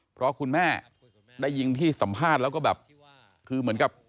เพราะว่าคุณแม่ได้ยิงที่สัมภาพแล้วก็แบบ